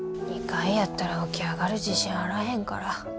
２階やったら起き上がる自信あらへんから。